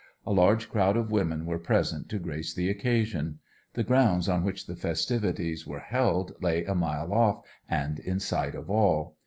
A large crowd of women were present to grace the occasion. The grounds on which the festivities were held lay a mile off and in sight of all.